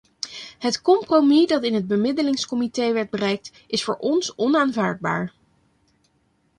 Het compromis dat in het bemiddelingscomité werd bereikt, is voor ons onaanvaardbaar.